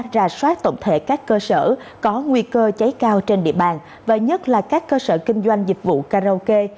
ra soát tổng thể các cơ sở có nguy cơ cháy cao trên địa bàn và nhất là các cơ sở kinh doanh dịch vụ karaoke